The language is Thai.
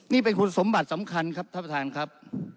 นี่เป็นคุณสมบัติสำคัญครับท่านประธานครับ